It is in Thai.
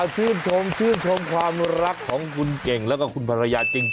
ชื่นชมชื่นชมความรักของคุณเก่งแล้วก็คุณภรรยาจริง